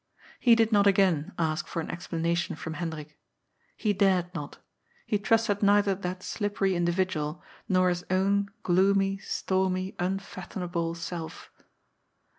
He did not again ask for an explanation from Hendrik. He dared not ; he trusted neither that slippery individual, nor his own gloomy, stormy, unfathomable self.